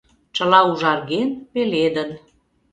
Чыла ужарген, пеледын...